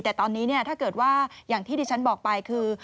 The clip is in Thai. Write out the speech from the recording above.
แต่ตอนนี้ถ้าเกิดว่าอย่างที่ดิฉันบอกไปคือ